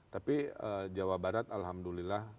tapi jawa barat alhamdulillah